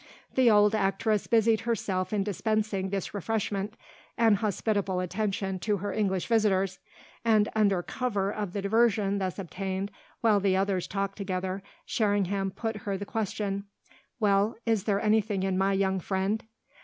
The old actress busied herself in dispensing this refreshment, an hospitable attention to her English visitors, and under cover of the diversion thus obtained, while the others talked together, Sherringham put her the question: "Well, is there anything in my young friend?"